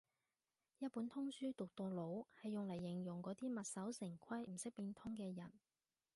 一本通書讀到老係用嚟形容嗰啲墨守成規唔識變通嘅人